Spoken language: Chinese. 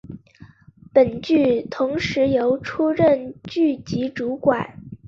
本剧同时由出任剧集主管。